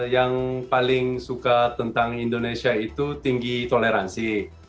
yang paling suka tentang indonesia itu tinggi toleransi